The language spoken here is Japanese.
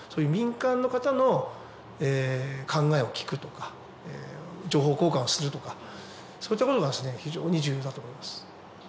民間の方の考えを聞くとか情報交換をするとかそういったことが非常に重要だと思います